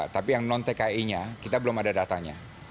tapi yang non tki nya kita belum ada datanya